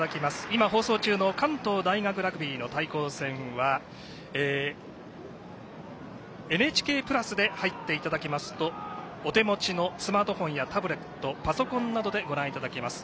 今、放送中の関東大学ラグビーの対抗戦はＮＨＫプラスで入っていただきますとお手持ちのスマートフォンやタブレットパソコンなどでご覧いただけます。